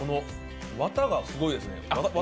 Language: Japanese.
わたがすごいですね。